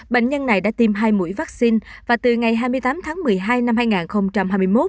bệnh nhân này đã tiêm hai mũi vaccine và từ ngày hai mươi tám tháng một mươi hai năm hai nghìn hai mươi một